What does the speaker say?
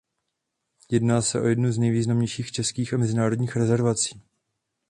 Jedná se o jednu z nejvýznamnějších českých a mezinárodních rezervací.